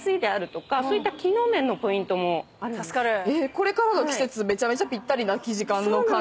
これからの季節めちゃめちゃぴったりな生地感の感じ。